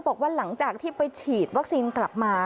บอกว่าหลังจากที่ไปฉีดวัคซีนกลับมา